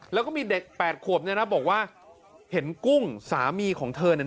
แล้วก็มีเด็กแปดขวบเนี่ยนะบอกว่าเห็นกุ้งสามีของเธอเนี่ย